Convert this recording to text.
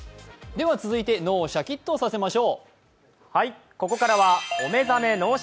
続いて、脳をシャキッとさせましょう。